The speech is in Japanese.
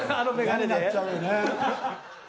嫌になっちゃうよね。